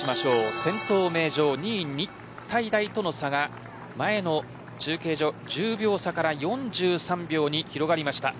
先頭名城、２位日体大との差が前の中継所１０秒差から４３秒に広がりました。